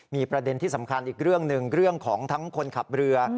มีประเด็นที่สำคัญอีกเรื่องหนึ่งเรื่องของทั้งคนขับเรือ